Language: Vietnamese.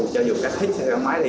cho dù các khách xe máy đi